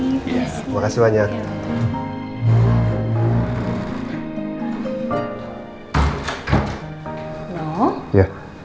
terima kasih banyak